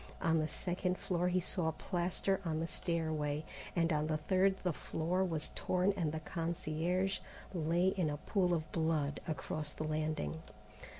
On the second floor he saw plaster on the stairway, and on the third the floor was torn and the concierge lay in a pool of blood across the landing.